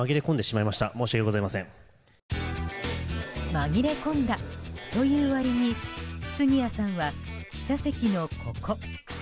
紛れ込んだという割に杉谷さんは記者席の、ここ。